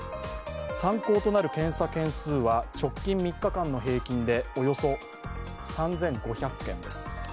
参考となる検査件数は直近３日間の平均でおよそ３５００件です。